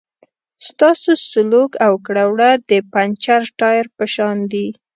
ستاسو سلوک او کړه وړه د پنچر ټایر په شان دي.